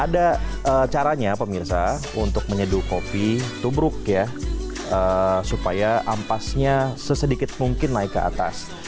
ada caranya pemirsa untuk menyeduh kopi tubruk ya supaya ampasnya sesedikit mungkin naik ke atas